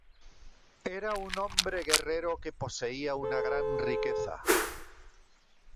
Era un hombre guerrero que poseía una gran riqueza.